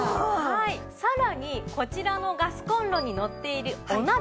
さらにこちらのガスコンロにのっているお鍋。